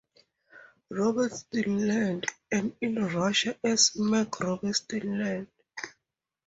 Robertson Land" and in Russia as "MacRobertson Land".